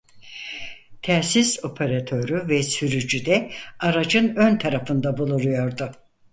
Telsiz operatörü ve sürücüde aracın ön tarafında bulunuyordu.